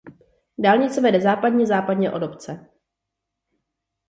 Dálnice vede západně západně od obce.